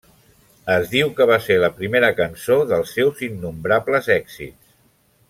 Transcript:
Es diu que va ser la primera cançó dels seus innombrables èxits.